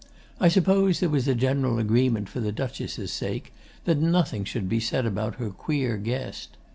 I suppose there was a general agreement for the Duchess' sake that nothing should be said about her queer guest.